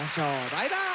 バイバーイ！